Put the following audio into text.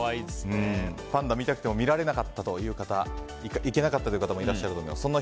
パンダ、見たくても見られなかったという方行けなかったという方もいらっしゃるかと思います。